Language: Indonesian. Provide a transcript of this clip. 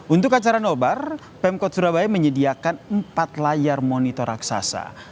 untuk acara nobar pemkot surabaya menyediakan empat layar monitor raksasa